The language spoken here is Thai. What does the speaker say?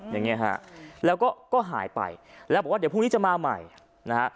อย่างนี้ฮะแล้วก็หายไปแล้วบอกว่าเดี๋ยวพรุ่งนี้จะมาใหม่นะฮะ